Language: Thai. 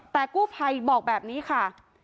แต่กู้ภัยบอกแบบนี้ค่ะ